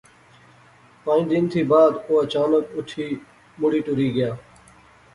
پانج دن تھی بعد او اچانک اٹھی مڑی ٹری گیا